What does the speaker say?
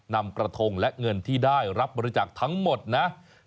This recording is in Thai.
นำกระทงและเงินที่ได้รับบริจาคทั้งหมดนะ